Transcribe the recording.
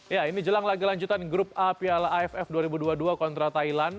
ya ini jelang laga lanjutan grup a piala aff dua ribu dua puluh dua kontra thailand